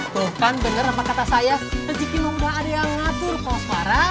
bukan bener apa kata saya rezeki mah udah ada yang ngatur kos para